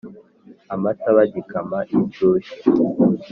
amata bagikama inshyushyu